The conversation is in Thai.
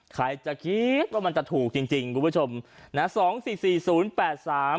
ใครจะคิดว่ามันจะถูกจริงจริงคุณผู้ชมนะสองสี่สี่ศูนย์แปดสาม